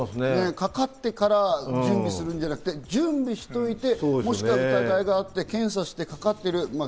かかってから準備するんじゃなくて準備しておいて、もしくは疑いがあって検査してかかってる。